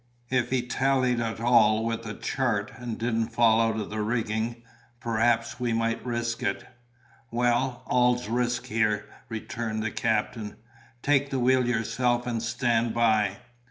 "If he tallied at all with the chart, and didn't fall out of the rigging, perhaps we might risk it." "Well, all's risk here," returned the captain. "Take the wheel yourself, and stand by.